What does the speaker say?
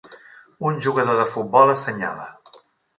un jugador de futbol assenyala.